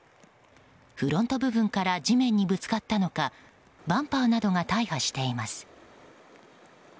フロント部分から地面にぶつかったのかバンパーなどが大破しています。